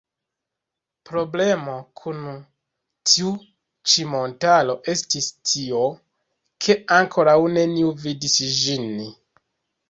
Problemo kun tiu ĉi montaro estas tio, ke ankoraŭ neniu vidis ĝin.